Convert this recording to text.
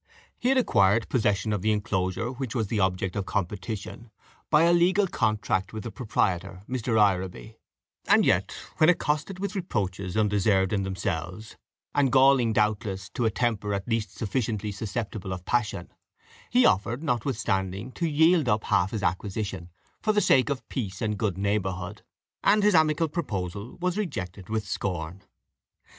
He had acquired possession of the inclosure, which was the object of Competition, by a legal contract with the proprietor, Mr. Ireby; and yet, when accosted with reproaches undeserved in themselves, and galling doubtless to a temper at least sufficiently susceptible of passion, he offered notwithstanding to yield up half his acquisition, for the sake of peace and good neighbourhood, and his amicable proposal was rejected with scorn.